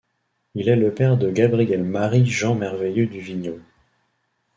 Il est le père de Gabriel Marie Jean Merveilleux du Vignaux.